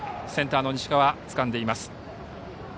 センターの西川つかんでいます。